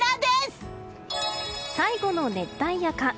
最後の熱帯夜か。